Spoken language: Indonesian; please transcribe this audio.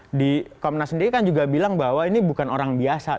nah di komnas sendiri kan juga bilang bahwa ini bukan orang biasa